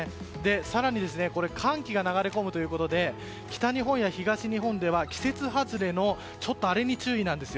更に寒気が流れ込むということで北日本や東日本では季節外れのあれに注意なんです。